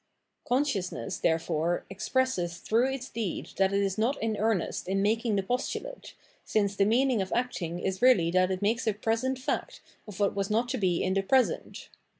Consciousness, therefore, expresses through its deed that it is not in earnest in mal^g the postulate, since the meaning of acting is really that it makes a present fact of what was not to be in the present.